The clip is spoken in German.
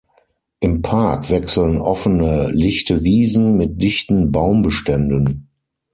Im Park wechseln offene, lichte Wiesen mit dichten Baumbeständen.